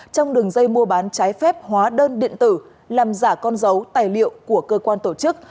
trong đường dây mua bán trái phép hóa đơn điện tử làm giả con dấu tài liệu của cơ quan tổ chức